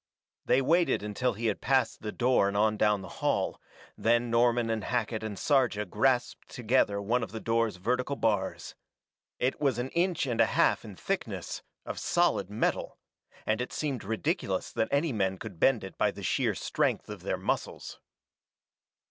They waited until he had passed the door and on down the hall, then Norman and Hackett and Sarja grasped together one of the door's vertical bars. It was an inch and a half in thickness, of solid metal, and it seemed ridiculous that any men could bend it by the sheer strength of their muscles.